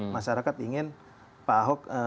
masyarakat ingin pak ahok kembali ke kota